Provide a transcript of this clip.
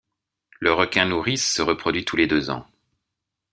Le requin nourrice se reproduit tous les deux ans.